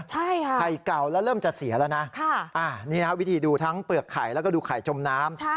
ใช่ค่ะไข่เก่าแล้วเริ่มจะเสียแล้วนะนี่นะครับวิธีดูทั้งเปลือกไข่แล้วก็ดูไข่จมน้ำ